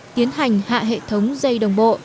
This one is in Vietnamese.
tiến hành hạ hệ thống dây đồng bộ